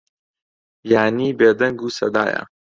یانی بێدەنگ و سەدایە